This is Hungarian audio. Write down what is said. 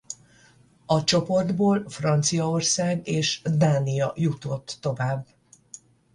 A csoportból Franciaország és Dánia jutott tovább.